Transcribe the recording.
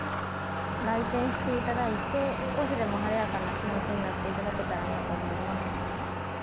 来店していただいて、少しでも晴れやかな気持ちになっていただけたらなと思います。